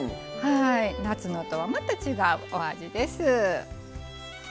夏のとは、また違ったお味です。